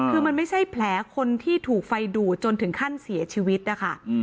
คือมันไม่ใช่แผลคนที่ถูกไฟดูดจนถึงขั้นเสียชีวิตนะคะ